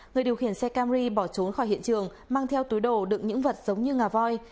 người điều khiển xe cam ri bỏ trốn khỏi hiện trường mang theo túi đồ đựng những vật giống như ngà voi